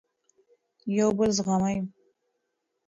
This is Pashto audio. یو بل زغمئ.